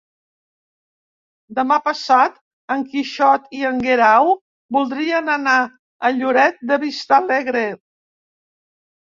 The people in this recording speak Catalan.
Demà passat en Quixot i en Guerau voldrien anar a Lloret de Vistalegre.